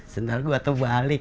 senar gua tuh balik